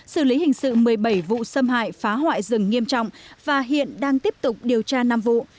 xử lý hình sự một mươi bảy vụ xâm hại phá hoại rừng nghiêm trọng và hiện đang tiếp tục điều tra năm vụ